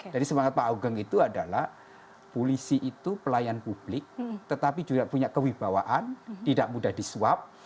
jadi semangat pak augeng itu adalah polisi itu pelayan publik tetapi juga punya kewibawaan tidak mudah disuap